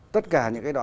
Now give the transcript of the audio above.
tất cả những cái đó